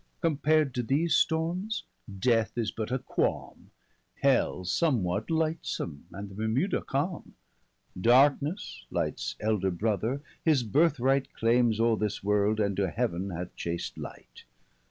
Compar'd to these stormes, death is but a qualme, 65 Hell somewhat lightsome, and the'Bermuda calme. Darknesse, lights elder brother, his birth right Claims o'r this world, and to heaven hath chas'd light.